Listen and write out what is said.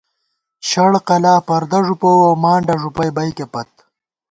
شڑ قلاں پردہ ݫُپُوَہ، مانڈہ ݫُپَئ بَئکے پت